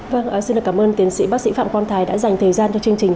vâng xin cảm ơn tiến sĩ bác sĩ phạm quang thái đã dành thời gian cho chương trình